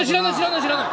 知らない！